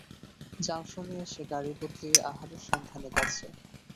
জংশনে এসে গাড়ি বদলিয়ে আহারের সন্ধানে গেছে।